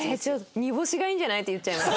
煮干しがいいんじゃない？って言っちゃいます。